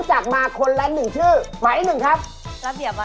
หมาลุนไฟที่สองดอกแล้วนะ